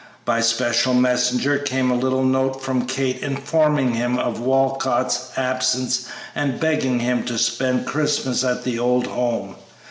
By special messenger came a little note from Kate informing him of Walcott's absence and begging him to spend Christmas at the old home.